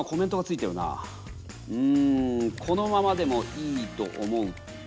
うん「このままでもいいと思う」と。